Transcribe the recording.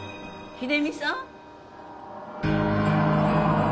秀実さん！？